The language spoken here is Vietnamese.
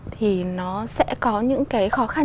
thì nó sẽ có những cái khó khăn